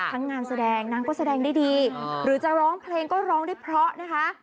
งานแสดงนางก็แสดงได้ดีหรือจะร้องเพลงก็ร้องได้เพราะนะคะ